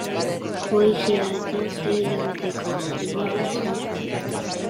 Hori zela eta, sei hilabeteko zigorra izan zuen.